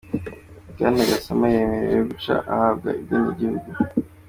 Bwana Gassama yemerewe guca ahabwa ubwenegihugu.